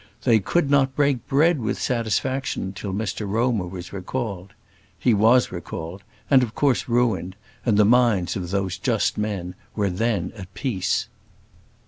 They could not break bread with satisfaction till Mr Romer was recalled. He was recalled, and of course ruined and the minds of those just men were then at peace.